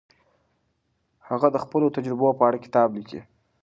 هغه د خپلو تجربو په اړه کتاب لیکلی.